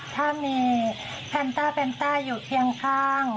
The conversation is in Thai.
ถ้ามีแผ่นตาอยู่เคียงข้าง